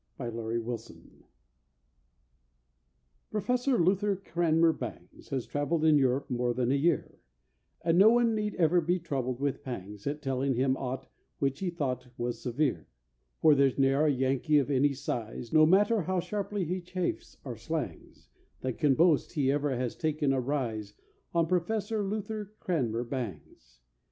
AN AMERICAN COCK TALE PROFESSOR LUTHER CRANMER BANGS Has travelled in Europe more than a year, And no one need ever be troubled with pangs At telling him aught which he thought was severe; For there's ne'er a Yankee of any size, No matter how sharply he chaffs or slangs, That can boast he ever has taken a rise On Professor Luther Cranmer Bangs.